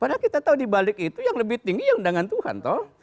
padahal kita tahu dibalik itu yang lebih tinggi yang undangan tuhan toh